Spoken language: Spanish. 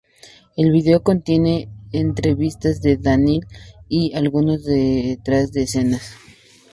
El video contiene entrevistas con Dannii y algunos detrás de escenas.